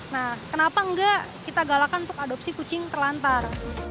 nah kenapa tidak kita galakan untuk adopsi kucing telantar